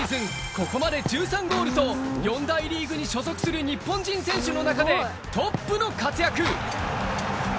ここまで１３ゴールと４大リーグに所属する日本人選手の中でトップの活躍